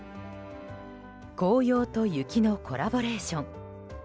紅葉と雪のコラボレーション。